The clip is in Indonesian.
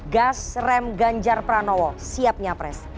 gas rem ganjar pranowo siapnya pres